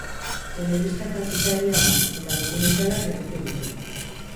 Telebista-kazetaria da, eta dokumentalak egiten ditu.